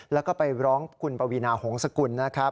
แล้วก็ไปร้องคุณปวีนาหงษกุลนะครับ